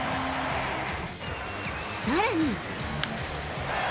さらに。